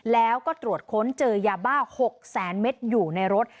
แล้วก็ตรวจค้นเจอยาบ้า๖แสนเมตรอยู่ในรถ